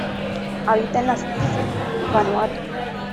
Habita en las islas Vanuatu.